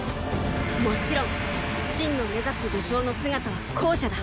もちろん信の目指す武将の姿は後者だ！